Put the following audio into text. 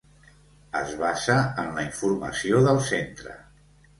Es basa en la informació del Centre.